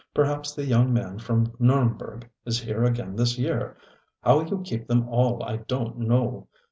Perhaps the young man from N├╝rnberg is here again this year. How you keep them all I donŌĆÖt know.